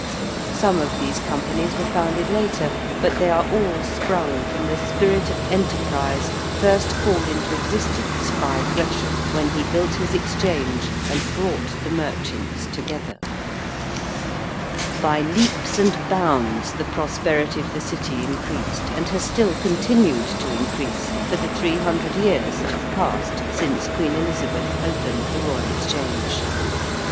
Some of these companies were founded later, but they are all sprung from the spirit of enterprise, first called into existence by Gresham when he built his Exchange and brought the merchants together. [Illustration: SHIPPING IN THE THAMES, CIRCA 1660. (From Pricke's 'South Prospect of London.')] By leaps and bounds the prosperity of the City increased, and has still continued to increase, for the three hundred years that have passed since Queen Elizabeth opened the Royal Exchange.